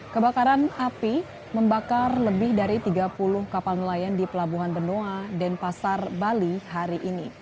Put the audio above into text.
kebakaran api membakar lebih dari tiga puluh kapal nelayan di pelabuhan benoa denpasar bali hari ini